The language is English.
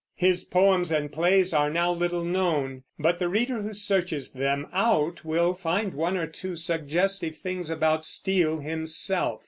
His poems and plays are now little known; but the reader who searches them out will find one or two suggestive things about Steele himself.